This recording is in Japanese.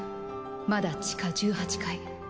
まだ地下１８階。